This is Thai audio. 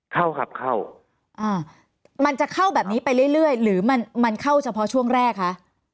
เข้าครับเข้าอ่ามันจะเข้าแบบนี้ไปเรื่อยหรือมันมันเข้าเฉพาะช่วงแรกคะ